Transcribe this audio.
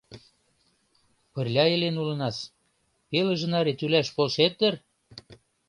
Пырля илен улынас, пелыже наре тӱлаш полшет дыр?